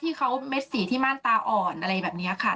ที่เขาเม็ดสีที่มั่นตาอ่อนอะไรแบบนี้ค่ะ